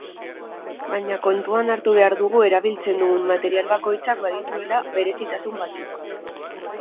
Baina kontuan hartu behar dugu erabiltzen dugun material bakoitzak badituela berezitasun batzuk.